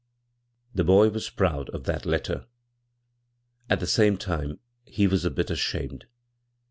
The boy was proud of that " letter." At the same time he was a bit ashamed.